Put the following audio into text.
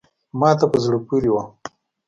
ما ته په زړه پوري وه …